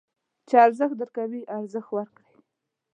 چې ارزښت درکوي، ارزښت ورکړئ.